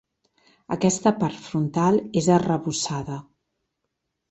Aquesta part frontal és arrebossada.